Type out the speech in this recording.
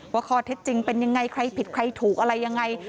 ว่าข้อเท็จจริงเป็นยังไงใครผิดใครถูกอะไรยังไง